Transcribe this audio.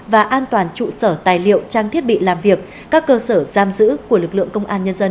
và an toàn trụ sở tài liệu trang thiết bị làm việc các cơ sở giam giữ của lực lượng công an nhân dân